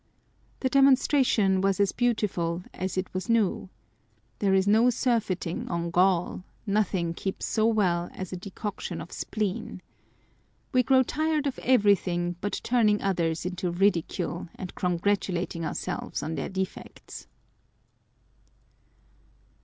The demonstration was as beautiful as it was new. There is no surfeiting on gall : nothing keeps so well as a decoction of spleen. We grow tired of every thing but turning others into ridicule, and congratulating ourselves on their defects.